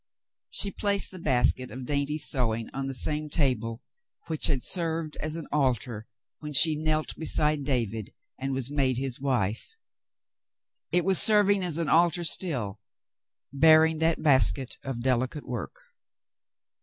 She placed the basket of dainty sewing on the same table which had served as an altar when she knelt beside David and w^as made his wife. It was serving as an altar still, bearing that basket of delicate work.